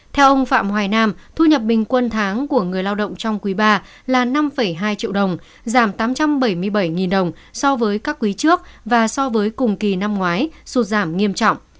theo ông phạm hoài nam thu nhập bình quân tháng của người lao động trong quý ba là năm hai triệu đồng giảm tám trăm bảy mươi bảy đồng so với các quý trước và so với cùng kỳ năm ngoái sụt giảm nghiêm trọng